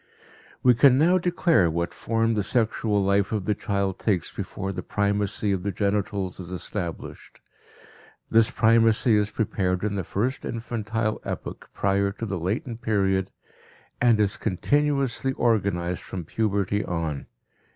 We can now declare what form the sexual life of the child takes before the primacy of the genitals is established. This primacy is prepared in the first infantile epoch prior to the latent period, and is continuously organized from puberty on.